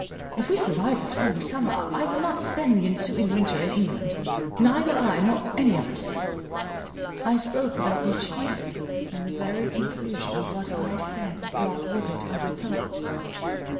If we survive this coming summer, I will not spend the ensuing winter in England; neither I nor any of us." I spoke without much heed, and the very conclusion of what I said brought with it other thoughts.